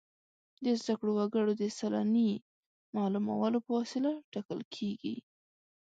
د زده کړو وګړو د سلنې معلومولو په وسیله ټاکل کیږي.